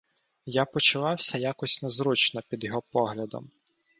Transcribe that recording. Я почувався якось незручно під його поглядом.